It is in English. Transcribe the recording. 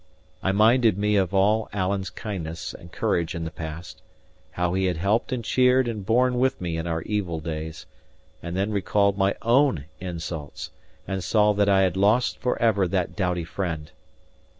I minded me of all Alan's kindness and courage in the past, how he had helped and cheered and borne with me in our evil days; and then recalled my own insults, and saw that I had lost for ever that doughty friend.